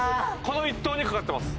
この一投にかかってます。